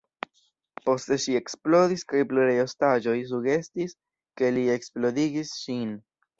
Poste ŝi eksplodis kaj pluraj ostaĝoj sugestis, ke li eksplodigis ŝin.